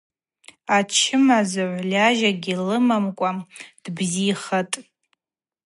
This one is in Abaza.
Ачымазагӏв льажьакӏгьи лымахымкӏва дбзихатӏ.